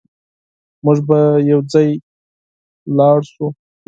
موږ به يوځای لاړ شو